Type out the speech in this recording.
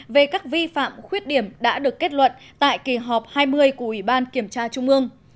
về các vi phạm khuyết điểm đã được kết luận tại kỳ họp hai mươi của ủy ban kiểm tra trung ương